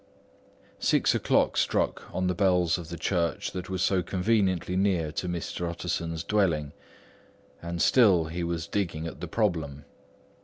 Six o'clock struck on the bells of the church that was so conveniently near to Mr. Utterson's dwelling, and still he was digging at the problem.